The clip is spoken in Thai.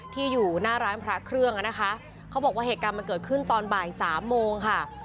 อยู่หน้าร้านพระเครื่องอ่ะนะคะเขาบอกว่าเหตุการณ์มันเกิดขึ้นตอนบ่ายสามโมงค่ะ